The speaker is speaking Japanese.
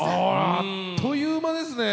あっという間ですね。